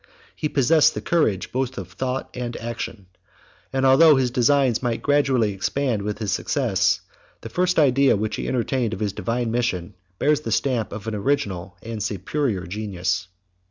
He possessed the courage both of thought and action; and, although his designs might gradually expand with his success, the first idea which he entertained of his divine mission bears the stamp of an original and superior genius.